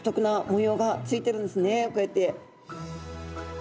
こうやって。